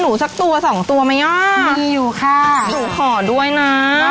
น้องไปต้องมาแล้วหรอคะ